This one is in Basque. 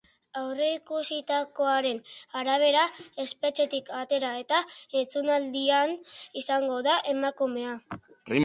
Aurreikusitakoaren arabera, espetxetik atera, eta entzunaldian izango da emakumea.